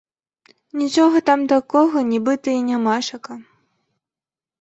Нічога там такога нібыта і нямашака.